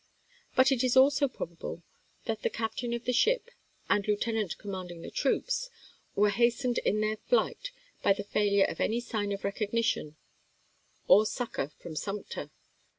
But it is also prob able that the captain of the ship and lieutenant commanding the troops were hastened in their flight by the failure of any sign of recognition or succor from Sumter.